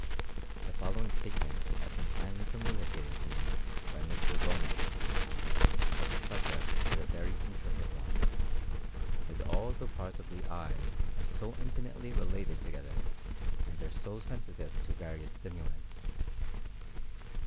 The following statements have been kindly communicated to me by Mr. Bowman; but the subject is a very intricate one, as all the parts of the eye are so intimately related together, and are so sensitive to various stimulants.